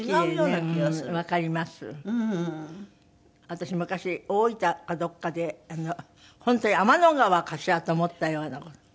私昔大分かどこかで本当に天の川かしらと思ったような。